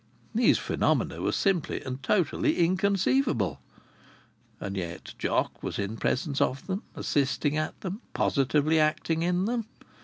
These phenomena were simply and totally inconceivable! And yet Jock was in presence of them, assisting at them, positively acting in them!